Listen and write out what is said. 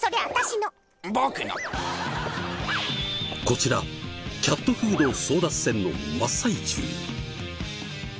こちらキャットフード争奪戦の真っ最中。